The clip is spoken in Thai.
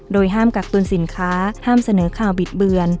โดยห้ามกักตุลสินค้าห้ามเสนอข่าวบิดเบือน